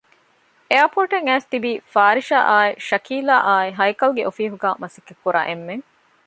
އެއަރޕޯރޓަށް އައިސް ތިބީ ފާރިޝާ އާއި ޝަކީލާ އާއި ހައިކަލްގެ އޮފީހުގައި މަސައްކަތްކުރާ އެންމެން